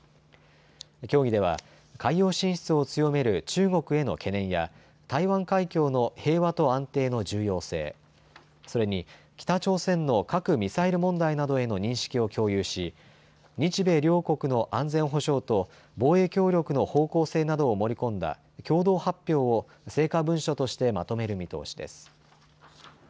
協議では海洋進出を強める中国への懸念や台湾海峡の平和と安定の重要性、それに北朝鮮の核・ミサイル問題などへの認識を共有し日米両国の安全保障と防衛協力の方向性などを盛り込んだ共同発表を成果文書としてまとめる見通しです。